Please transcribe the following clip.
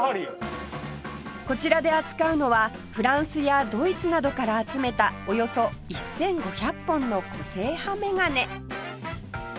こちらで扱うのはフランスやドイツなどから集めたおよそ１５００本の個性派メガネ